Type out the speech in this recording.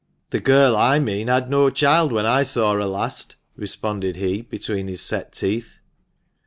"The girl I mean had no child when I saw her last," responded he, between his set teeth.